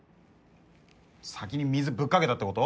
先に水ぶっかけたってこと？